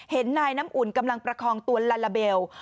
เห็นนายน้ำอุ่นกำลังประคองตัวลาลาเบล